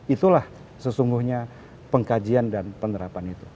itulah sesungguhnya pengkajian dan penerapan itu